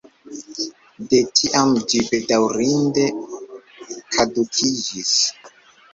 De tiam ĝi bedaŭrinde kadukiĝis.